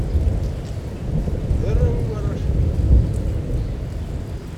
D arraw-iw warrac-nni.